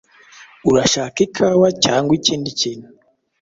Urashaka ikawa cyangwa ikindi kintu?